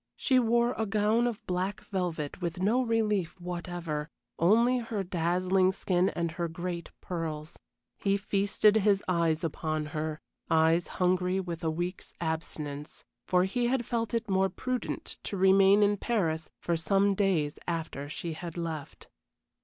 She wore a gown of black velvet with no relief whatever, only her dazzling skin and her great pearls. He feasted his eyes upon her eyes hungry with a week's abstinence; for he had felt it more prudent to remain in Paris for some days after she had left.